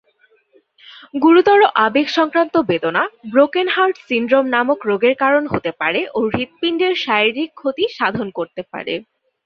গুরুতর আবেগ সংক্রান্ত বেদনা 'ব্রোকেন হার্ট সিনড্রোম' নামক রোগের কারণ হতে পারে ও হৃৎপিণ্ডের শারীরিক ক্ষতিসাধন করতে পারে।